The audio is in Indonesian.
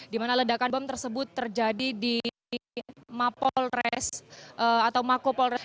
dimana ledakan bom tersebut terjadi di mapolres atau makopolres